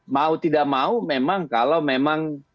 mau tidak mau memang kalau memang